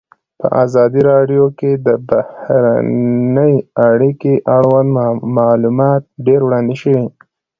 په ازادي راډیو کې د بهرنۍ اړیکې اړوند معلومات ډېر وړاندې شوي.